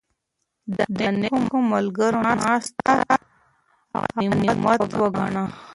د نېکو ملګرو ناسته غنیمت وګڼئ.